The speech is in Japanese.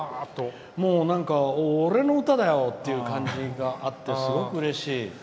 もう、なんか俺の歌だよ！っていう感じがあってすごくうれしい。